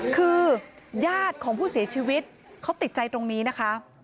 คือญาติของผู้เสียชีวิตเขาติดใจตรงนี้นะคะ